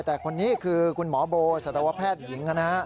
แต่คนนี้คือคุณหมอโบสัตวแพทย์หญิงนะฮะ